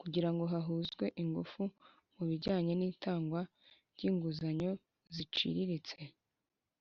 kugirango hahuzwe ingufu mu bijyanye n'itangwa ry'inguzanyo ziciriritse.